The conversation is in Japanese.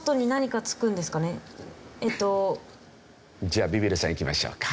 じゃあビビるさんいきましょうか。